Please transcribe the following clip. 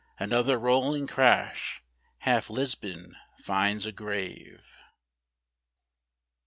Another rolling crash, half Lisbon finds a grave.